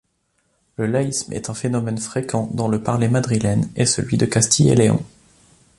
Le laïsme est un phénomène fréquent dans le parler madrilène et celui de Castille-et-León.